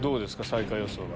最下位予想は。